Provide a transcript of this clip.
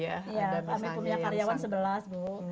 iya kami punya karyawan sebelas bu